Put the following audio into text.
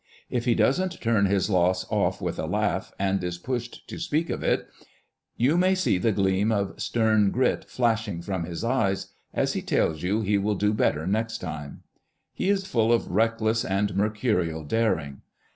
If he doesn't turn his loss off with a laugh, and is pushed to speak of it, you may see the gleam of stern grit flashing from his eyes, as he tells you he will do better next time. He is full of reckless and mer curial daring.